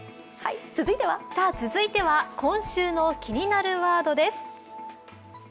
続いては今週の「気になるワード」です。